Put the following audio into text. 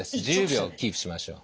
１０秒キープしましょう。